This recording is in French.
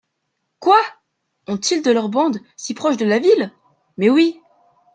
Quoi ! ont-ils de leurs bandes si proches de la ville ? Mais oui.